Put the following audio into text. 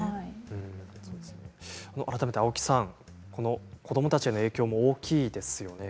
改めて青木さん子どもたちへの影響も大きいですね。